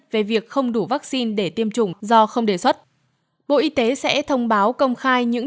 về việc không đủ vaccine để tiêm chủng do không đề xuất bộ y tế sẽ thông báo công khai những